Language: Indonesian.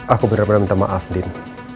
aku benar benar minta maaf din